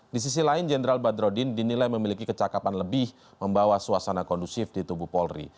di sisi lain jenderal badrodin dinilai memiliki kecakapan lebih membawa suasana kondusif di tubuh polri